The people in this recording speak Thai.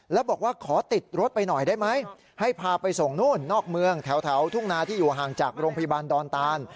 แล้วบอกว่าขอติดรถไปหน่อยได้ไหมให้พาไปส่งนู่นนอกเมืองแถวทุ่งนาที่อยู่ห่างจากโรงพยาบาลดอนตาน